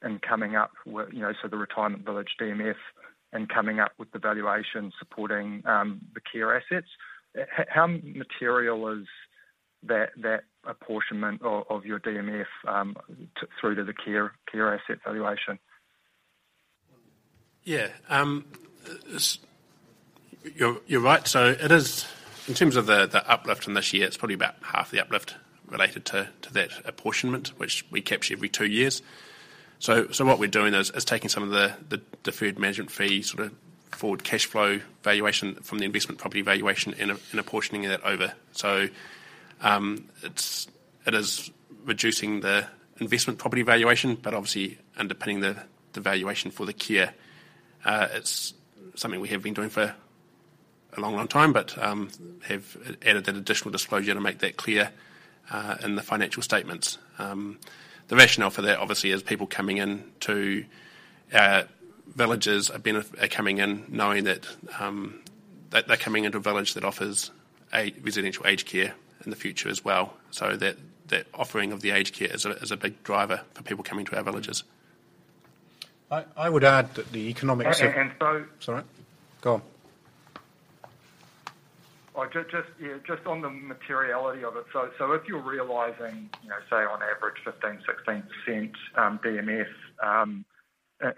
and coming up with, you know, so the retirement village DMF and coming up with the valuation supporting the care assets. How material is that apportionment of your DMF through to the care asset valuation? You're right. It is, in terms of the uplift from this year, it's probably about half the uplift related to that apportionment, which we capture every two years. What we're doing is taking some of the Deferred Management Fee, sort of forward cash flow valuation from the investment property valuation and apportioning that over. It is reducing the investment property valuation, but obviously underpinning the valuation for the care. It's something we have been doing for a long, long time, but have added an additional disclosure to make that clear in the financial statements. The rationale for that obviously is people coming in to villages are coming in knowing that they're coming into a village that offers a residential aged care in the future as well. That offering of the aged care is a big driver for people coming to our villages. I would add that the economics of-. A-and so- Sorry. Go on. Just, yeah, just on the materiality of it. So if you're realizing, you know, say, on average 15%-16% DMF,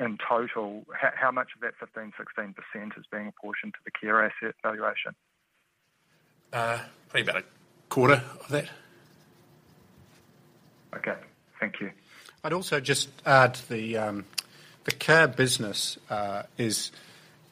in total, how much of that 15%-16% is being apportioned to the care asset valuation? Probably about a quarter of that. Okay. Thank you. I'd also just add the care business is,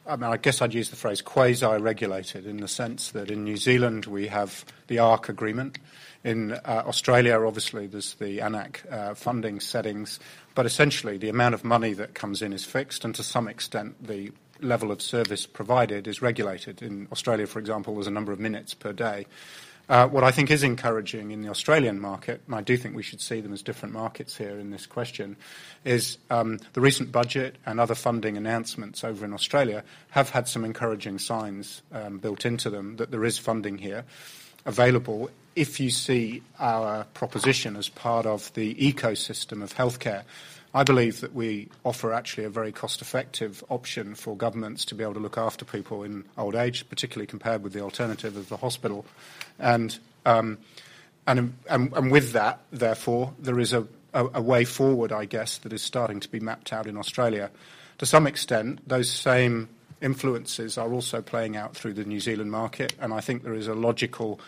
I mean, I guess I'd use the phrase quasi-regulated, in the sense that in New Zealand we have the ARC Agreement. In Australia, obviously there's the AN-ACC funding settings. Essentially, the amount of money that comes in is fixed, and to some extent, the level of service provided is regulated. In Australia, for example, there's a number of minutes per day. What I think is encouraging in the Australian market, and I do think we should see them as different markets here in this question, is the recent budget and other funding announcements over in Australia have had some encouraging signs built into them that there is funding here available. If you see our proposition as part of the ecosystem of healthcare, I believe that we offer actually a very cost-effective option for governments to be able to look after people in old age, particularly compared with the alternative of the hospital. With that, therefore, there is a way forward, I guess, that is starting to be mapped out in Australia. To some extent, those same influences are also playing out through the New Zealand market. I think there is a logical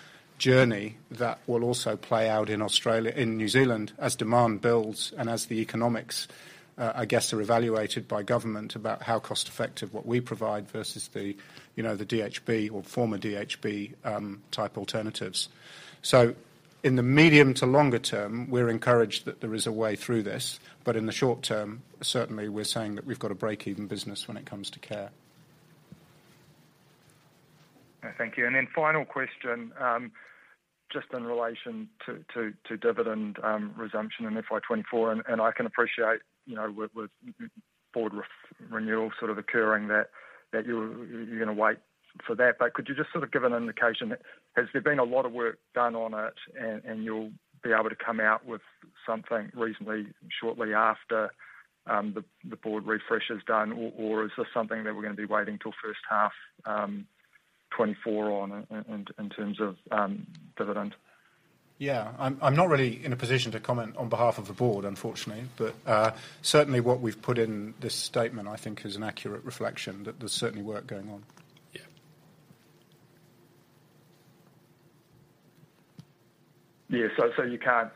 journey that will also play out in New Zealand as demand builds and as the economics, I guess are evaluated by government about how cost-effective what we provide versus the, you know, the DHB or former DHB type alternatives. In the medium to longer term, we're encouraged that there is a way through this, but in the short term, certainly we're saying that we've got a break-even business when it comes to care. Thank you. Final question, just in relation to dividend resumption in FY 2024, and I can appreciate, you know, with board renewal sort of occurring that you're gonna wait for that. Could you just sort of give an indication, has there been a lot of work done on it and you'll be able to come out with something reasonably shortly after the board refresh is done or is this something that we're gonna be waiting till first half 2024 on in terms of dividend? Yeah. I'm not really in a position to comment on behalf of the board, unfortunately. Certainly what we've put in this statement, I think is an accurate reflection that there's certainly work going on. Yeah. Yeah. I mean, you can't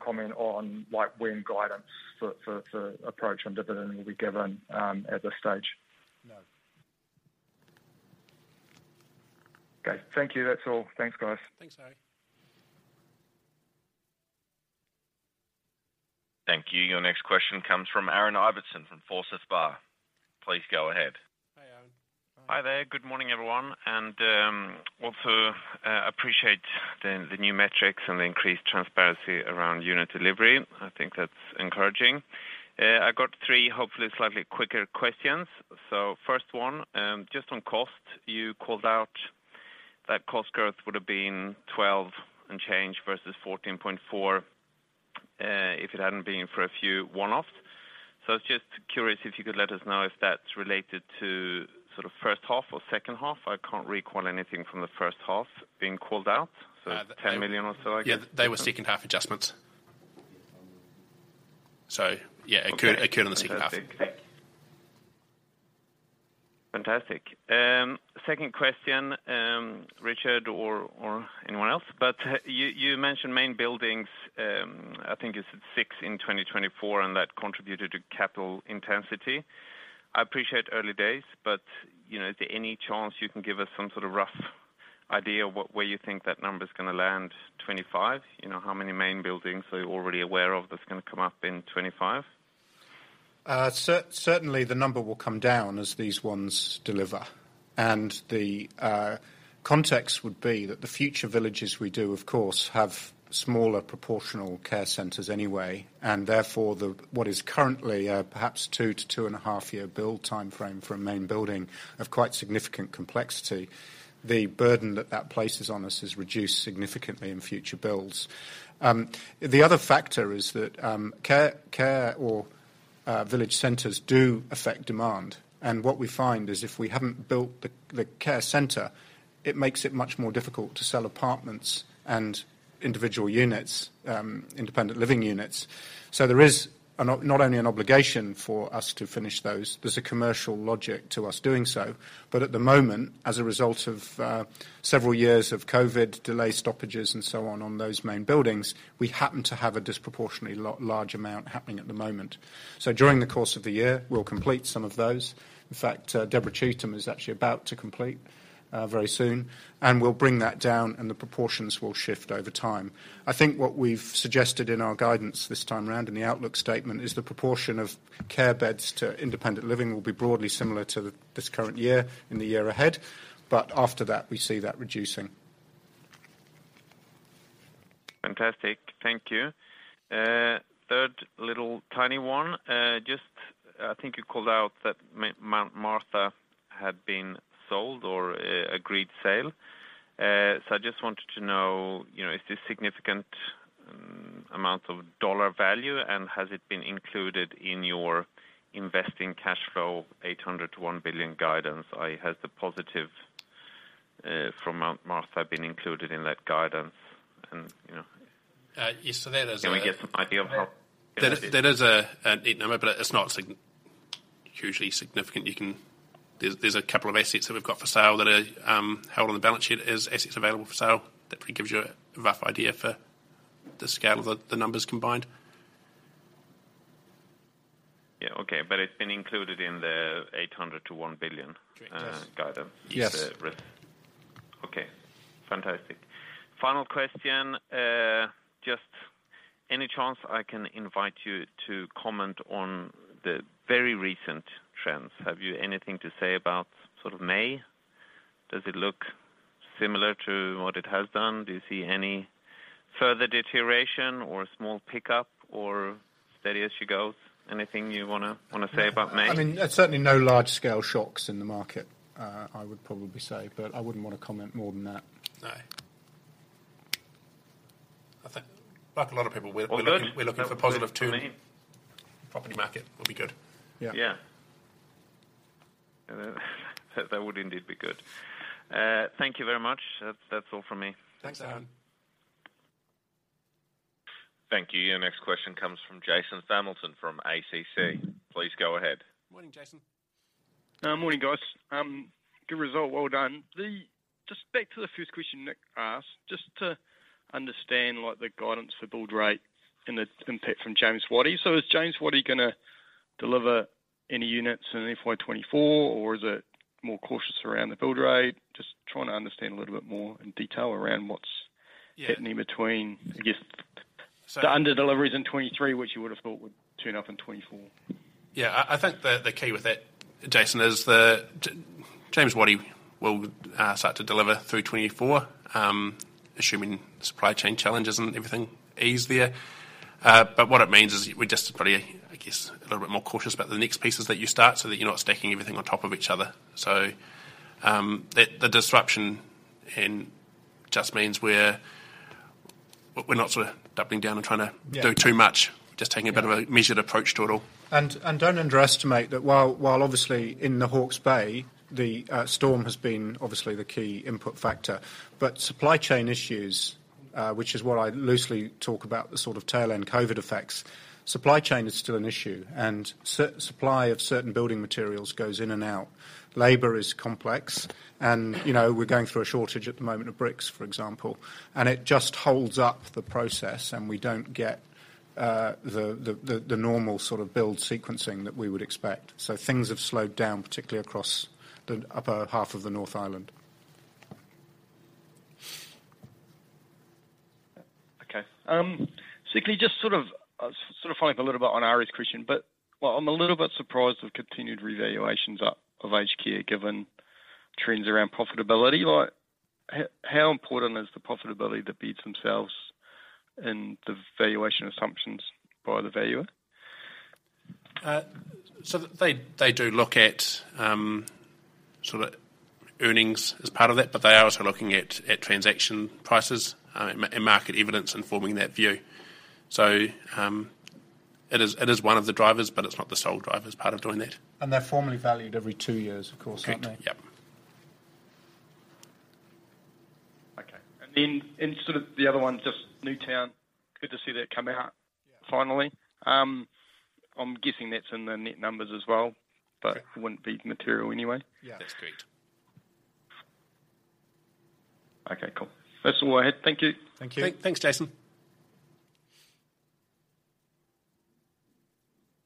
comment on, like, when guidance for approach and dividend will be given, at this stage? No. Okay. Thank you. That's all. Thanks, guys. Thanks, Arie. Thank you. Your next question comes from Aaron Ibbotson from Forsyth Barr. Please go ahead. Hi, Aaron. Hi there. Good morning, everyone. Also, appreciate the new metrics and the increased transparency around unit delivery. I think that's encouraging. I've got three, hopefully, slightly quicker questions. First one, just on cost. You called out that cost growth would have been 12 and change versus 14.4 if it hadn't been for a few one-offs. I was just curious if you could let us know if that's related to sort of first half or second half. I can't recall anything from the first half being called out. 10 million or so, I guess. Yeah. They were second half adjustments. Yeah, it occurred in the second half. Okay. Fantastic. Thanks. Fantastic. Second question, Richard or anyone else, but you mentioned main buildings, I think it's six in 2024, and that contributed to capital intensity. I appreciate early days, but, you know, is there any chance you can give us some sort of rough idea of where you think that number's gonna land 2025? You know, how many main buildings are you already aware of that's gonna come up in 2025? Certainly the number will come down as these ones deliver. The context would be that the future villages we do, of course, have smaller proportional care centers anyway, and therefore, what is currently a perhaps 2 to 2.5 year build timeframe for a main building of quite significant complexity, the burden that that places on us is reduced significantly in future builds. The other factor is that care or village centers do affect demand. What we find is if we haven't built the care center, it makes it much more difficult to sell apartments and individual units, independent living units. There is not only an obligation for us to finish those, there is a commercial logic to us doing so. At the moment, as a result of several years of COVID delay stoppages and so on on those main buildings, we happen to have a disproportionately large amount happening at the moment. During the course of the year, we'll complete some of those. In fact, Deborah Cheetham is actually about to complete very soon, and we'll bring that down, and the proportions will shift over time. I think what we've suggested in our guidance this time around in the outlook statement is the proportion of care beds to independent living will be broadly similar to this current year in the year ahead. After that, we see that reducing. Fantastic. Thank you. Third little tiny one. Just I think you called out that Mount Martha had been sold or agreed sale. I just wanted to know, you know, is this significant amount of dollar value? Has it been included in your investing cash flow 800 million-1 billion guidance? Has the positive from Mount Martha been included in that guidance? Yes. There is. Can we get some idea of? There is a neat number, but it's not sign. Hugely significant. There's a couple of assets that we've got for sale that are held on the balance sheet as assets available for sale. That probably gives you a rough idea for the scale of the numbers combined. Yeah. Okay. It's been included in the 800-1 billion- Yes. guidance? Yes. Okay. Fantastic. Final question. Just any chance I can invite you to comment on the very recent trends? Have you anything to say about sort of May? Does it look similar to what it has done? Do you see any further deterioration, or a small pickup, or steady as she goes? Anything you wanna say about May? I mean, there's certainly no large-scale shocks in the market, I would probably say, but I wouldn't wanna comment more than that. No. I think like a lot of people. Well, good. We're looking for positive to property market will be good. Yeah. Yeah. That would indeed be good. Thank you very much. That's all from me. Thanks, Aaron. Thank you. Your next question comes from Jason Hamilton from ACC. Please go ahead. Morning, Jason. Morning, guys. Good result. Well done. Just back to the first question Nick asked, just to understand, like, the guidance for build rate and the impact from James Wattie. Is James Wattie gonna deliver any units in FY 2024, or is it more cautious around the build rate? Just trying to understand a little bit more in detail around. Yeah. happening between, I guess, the under deliveries in 2023, which you would have thought would turn up in 2024. Yeah. I think the key with that, Jason, is the James Wattie will start to deliver through 2024, assuming supply chain challenges and everything ease there. What it means is we're just probably, I guess, a little bit more cautious about the next pieces that you start so that you're not stacking everything on top of each other. The disruption in just means we're not sort of doubling down and trying to- Yeah. -do too much. Just taking a bit of a measured approach to it all. Don't underestimate that while obviously in the Hawke's Bay, the storm has been obviously the key input factor. Supply chain issues, which is what I loosely talk about the sort of tail end COVID effects, supply chain is still an issue, and supply of certain building materials goes in and out. Labor is complex and, you know, we're going through a shortage at the moment of bricks, for example. It just holds up the process, and we don't get the normal sort of build sequencing that we would expect. Things have slowed down, particularly across the upper half of the North Island. Secondly, just sort of following up a little bit on Arie's question, while I'm a little bit surprised of continued revaluations up of aged care, given trends around profitability, like, how important is the profitability, the beats themselves and the valuation assumptions by the valuer? They do look at sort of earnings as part of that, but they are also looking at transaction prices, and market evidence informing that view. It is one of the drivers, but it's not the sole driver as part of doing that. They're formally valued every two years, of course, aren't they? Yep. Okay. In sort of the other one, just Newtown. Good to see that come out- Yeah. Finally. I'm guessing that's in the net numbers as well. Yeah. Wouldn't be material anyway. Yeah. That's correct. Okay, cool. That's all I had. Thank you. Thank you. Thanks, Jason.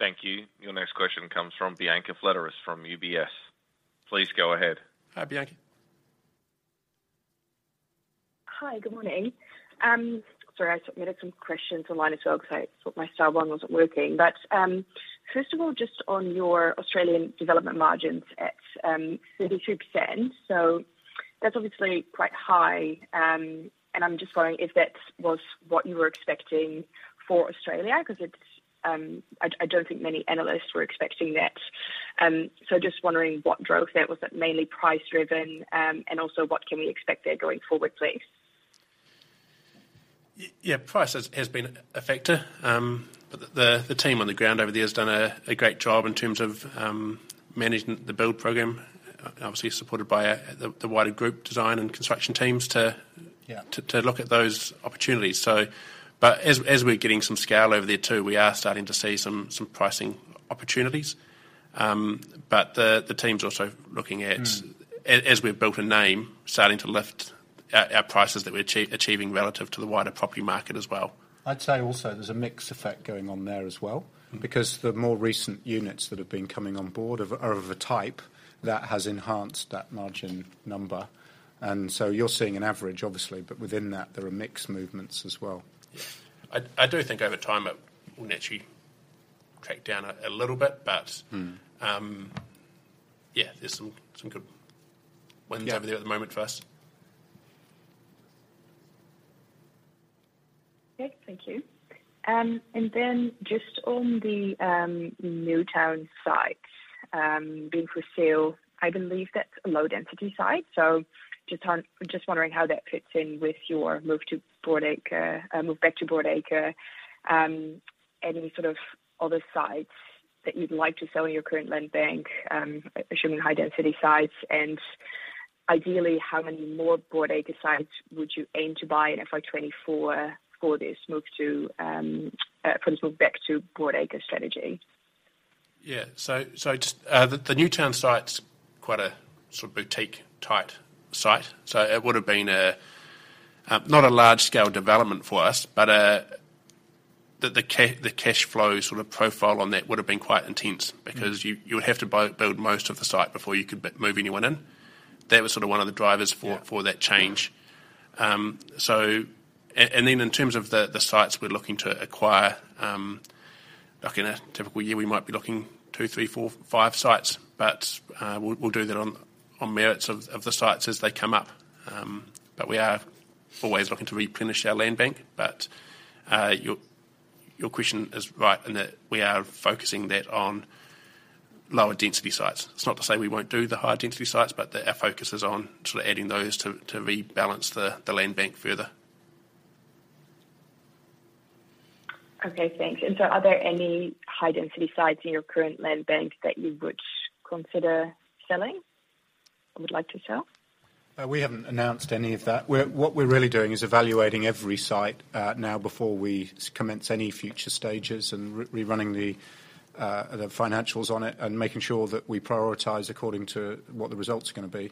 Thank you. Your next question comes from Bianca Fledderus from UBS. Please go ahead. Hi, Bianca. Hi. Good morning. Sorry, I submitted some questions online as well because I thought my star one wasn't working. First of all, just on your Australian development margins at 32%. That's obviously quite high. I'm just wondering if that was what you were expecting for Australia, 'cause it's, I don't think many analysts were expecting that. Just wondering what drove that. Was that mainly price driven? Also what can we expect there going forward, please? Yeah, price has been a factor. The team on the ground over there has done a great job in terms of managing the build program, obviously supported by the wider group design and construction teams. Yeah. To look at those opportunities. As we're getting some scale over there too, we are starting to see some pricing opportunities. The team's also looking at Mm. as we've built a name, starting to lift our prices that we're achieving relative to the wider property market as well. I'd say also there's a mix effect going on there as well. Mm-hmm. The more recent units that have been coming on board are of a type that has enhanced that margin number. You're seeing an average obviously, but within that there are mix movements as well. Yeah. I do think over time it will naturally track down a little bit. Mm. Yeah, there's some good ones. Yeah. over there at the moment for us. Okay. Thank you. Then just on the Newtown site, being for sale, I believe that's a low density site. Just wondering how that fits in with your move to broadacre, move back to broadacre. Any sort of other sites that you'd like to sell in your current land bank, assuming high density sites. Ideally, how many more broadacre sites would you aim to buy in FY 2024 for this move back to broadacre strategy? Yeah. Just, the Newtown site's quite a sort of boutique-type site. It would've been not a large scale development for us, but the cash flow sort of profile on that would've been quite intense because you would have to build most of the site before you could move anyone in. That was sort of one of the drivers for… Yeah ...for that change. In terms of the sites we're looking to acquire, like in a typical year, we might be looking 2, 3, 4, 5 sites, but we'll do that on merits of the sites as they come up. We are always looking to replenish our land bank. Your question is right in that we are focusing that on lower density sites. It's not to say we won't do the high density sites, but our focus is on sort of adding those to rebalance the land bank further. Okay, thanks. Are there any high density sites in your current land bank that you would consider selling or would like to sell? We haven't announced any of that. What we're really doing is evaluating every site now before we commence any future stages and rerunning the financials on it and making sure that we prioritize according to what the results are gonna be.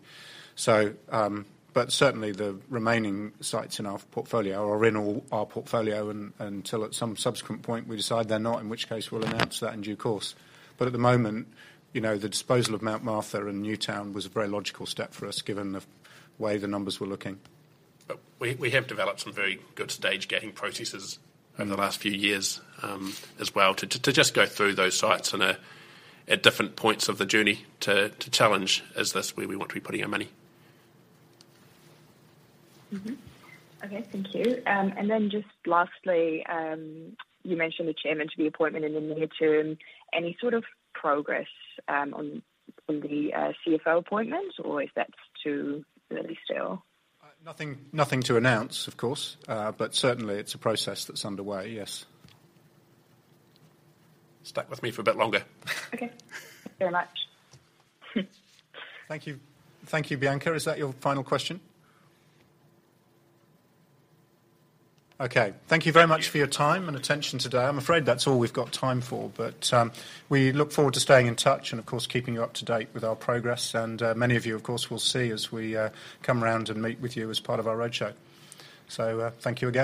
Certainly the remaining sites in our portfolio are in all our portfolio until at some subsequent point we decide they're not, in which case we'll announce that in due course. At the moment, you know, the disposal of Mount Martha and Newtown was a very logical step for us, given the way the numbers were looking. We have developed some very good stage gating processes over the last few years, as well to just go through those sites and at different points of the journey to challenge is this where we want to be putting our money? Okay, thank you. Then just lastly, you mentioned the chairmanship appointment in the near term. Any sort of progress on the CFO appointment or if that's too early still? Nothing, nothing to announce, of course. Certainly it's a process that's underway, yes. Stuck with me for a bit longer. Okay. Thank you very much. Thank you. Thank you, Bianca. Is that your final question? Okay. Thank you very much for your time and attention today. I'm afraid that's all we've got time for. We look forward to staying in touch and of course, keeping you up to date with our progress. Many of you, of course, will see as we come around and meet with you as part of our roadshow. Thank you again.